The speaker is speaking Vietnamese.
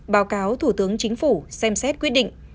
báo cáo thủ tướng chính phủ xem xét quyết định